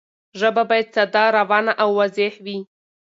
ژبه باید ساده، روانه او واضح وي.